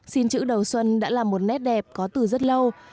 xin chữ đầu xuân đã là một nét đẹp có từ rất lâu